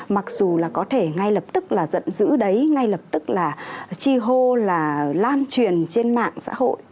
mặc dù là có thể ngay lập tức là giận dữ đấy ngay lập tức là chi hô là lan truyền trên mạng xã hội